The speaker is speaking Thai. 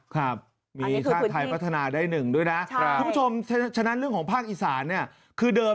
ครับมีฐาสไทยปัฒนาได้หนึ่งด้วยน่ะใช่คุณผู้ชม